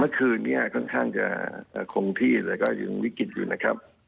เมื่อคืนเท่านับวันจะคงหญิตและวิกฤตอยู่นะครับ